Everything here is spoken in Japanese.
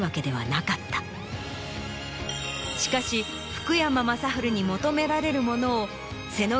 しかし福山雅治に求められるものを。